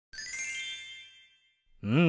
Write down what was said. うん！